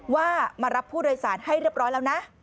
ว่ามารับผู้โดยสารให้เรียบร้อยแล้วนะ